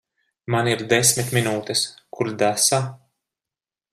Man ir desmit minūtes. Kur desa?